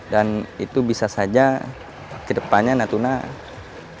dan itu bisa saja kedepannya natuna bisa maju lagi